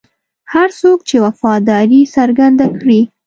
هر څوک چې وفاداري څرګنده کړي.